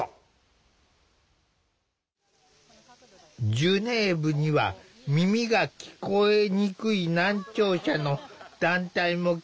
ジュネーブには耳が聞こえにくい難聴者の団体も来ていた。